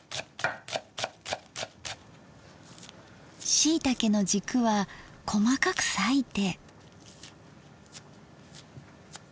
しいたけのじくは細かく裂いて。